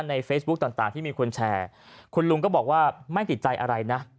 เฟซบุ๊กต่างที่มีคนแชร์คุณลุงก็บอกว่าไม่ติดใจอะไรนะ